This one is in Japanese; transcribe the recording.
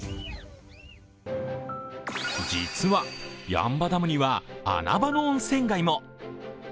実は、八ッ場ダムには穴場の温泉街も。